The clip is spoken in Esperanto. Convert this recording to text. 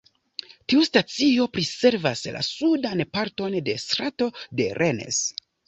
Tiu stacio priservas la sudan parton de Strato de Rennes.